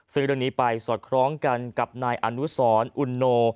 ซึ่งเรื่องนี้ไปสอดคล้องกันกับนายอนุสรอุโน